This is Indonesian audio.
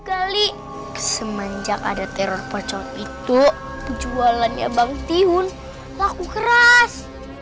kali semenjak ada teror pocok itu jualannya bang tihun laku keras